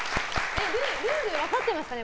ルール分かってますかね。